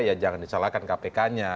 ya jangan disalahkan kpk nya